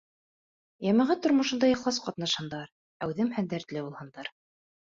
Йәмәғәт тормошонда ихлас ҡатнашһындар, әүҙем һәм дәртле булһындар.